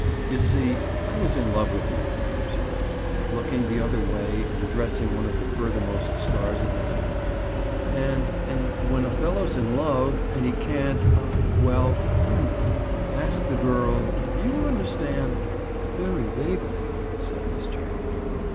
"You see I was in love with you," he observed, looking the other way and addressing one of the furthermost stars of the heaven. "And—and—when a fellow's in love—and he can't—ah!—well, you know—ask the girl—you understand?" "Very vaguely," said Miss Gerald.